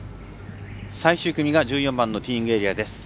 最終組が１４番のティーイングエリアです。